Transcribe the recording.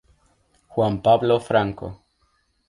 Juan Pablo Franco.